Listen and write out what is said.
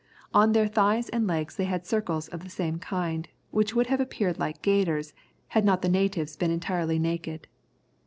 On their thighs and legs they had circles of the same kind, which would have appeared like gaiters had not the natives been entirely naked.